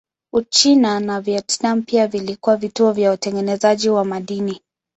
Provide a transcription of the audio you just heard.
Uchina na Vietnam pia vilikuwa vituo vya utengenezaji wa madini.